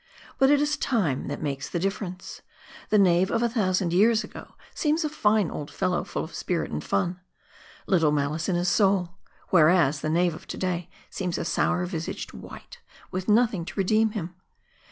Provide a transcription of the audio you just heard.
But it is time that makes the difference. The knave of a thousand years ago seems a fine old fellow full of spirit and fun, little malice in his soul ; whereas, the knave of to day seems a sour visaged wight, with nothing to redeem him.